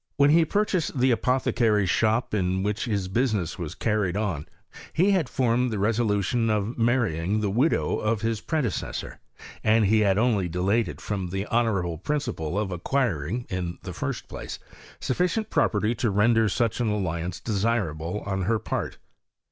When he purchased the apothecary's shop in which his business was carried on, he had formed the resolu* tion of marrying the widow of his predecessor, and he had only delayed it from the honourable principle of acquiring, in the first place, sufficient property to render such an alliance desirable on her part.